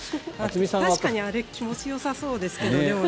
確かにあれ気持ちよさそうですけど。